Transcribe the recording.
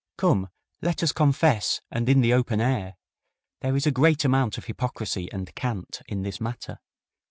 Come, let us confess, and in the open air: there is a great amount of hypocrisy and cant in this matter.